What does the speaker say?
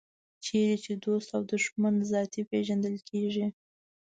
چېرې چې دوست او دښمن ذاتي پېژندل کېږي.